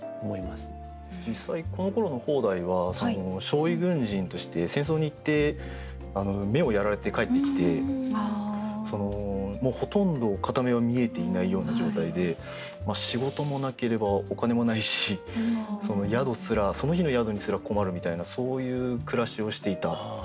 実際このころの方代は傷痍軍人として戦争に行って目をやられて帰ってきてもうほとんど片目は見えていないような状態で仕事もなければお金もないし宿すらその日の宿にすら困るみたいなそういう暮らしをしていた。